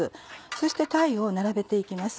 そして鯛を並べていきます。